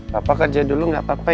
papa kerja dulu gak apa apa ya